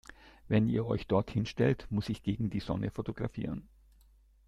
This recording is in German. Wenn ihr euch dort hinstellt, muss ich gegen die Sonne fotografieren.